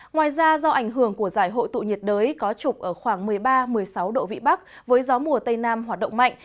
ngoài ra do ảnh hưởng của giải hội tụ nhiệt đới có trục ở khoảng một mươi ba một mươi sáu độ vị bắc với gió mùa tây nam hoạt động mạnh